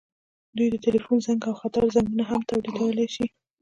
دوی د ټیلیفون زنګ او خطر زنګونه هم تولیدولی شي.